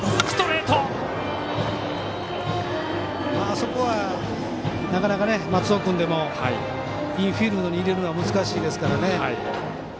あそこは、なかなか松尾君でもインフィールドに入れるのは難しいですからね。